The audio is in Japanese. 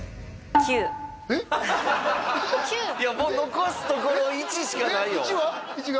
９？いやもう残すところ１しかないよ